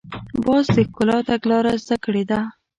باز د ښکار تګلاره زده کړې ده